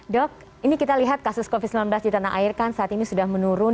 dok ini kita lihat kasus covid sembilan belas di tanah air kan saat ini sudah menurun